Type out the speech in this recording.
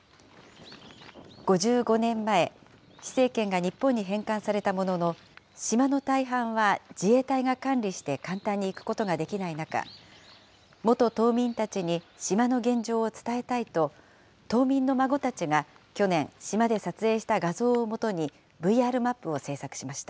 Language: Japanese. ５５年前、施政権が日本に返還されたものの、島の大半は自衛隊が管理して、簡単に行くことができない中、元島民たちに島の現状を伝えたいと、島民の孫たちが去年、島で撮影した画像をもとにＶＲマップを制作しました。